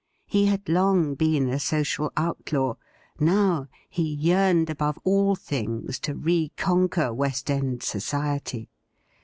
He had long been a social outlaw ; now he yearned, above all things, to reconquer West End society.